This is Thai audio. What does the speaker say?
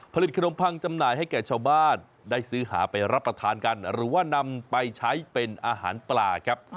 ผลิตขนมพังจำหน่ายให้แก่ชาวบ้านได้ซื้อหาไปรับประทานกันหรือว่านำไปใช้เป็นอาหารปลาครับ